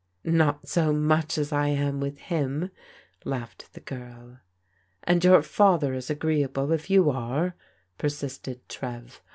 " Not so much as I am with him," laughed the girl. "And your father is agreeable if you are," persisted Trev.